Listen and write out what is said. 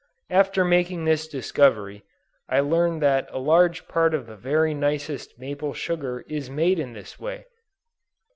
After making this discovery, I learned that a large part of the very nicest maple sugar is made in this way!